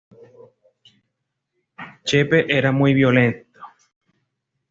Chepe era muy violento.